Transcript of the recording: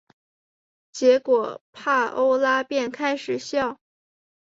结果帕欧拉便开始笑。